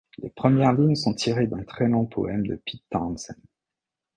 Les premières lignes sont tirées d'un très long poème de Pete Townshend.